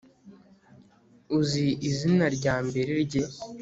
Uzi izina ryambere rye